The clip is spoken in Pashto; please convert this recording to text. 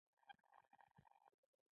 • د ورځې دعا د امید پیغام راوړي.